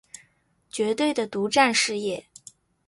绝对的独占事业